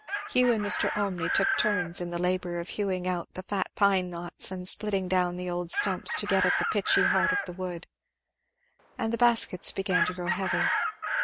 Hugh and Mr. Olmney took turns in the labour of hewing out the fat pine knots and splitting down the old stumps to get at the pitchy heart of the wood; and the baskets began to grow heavy.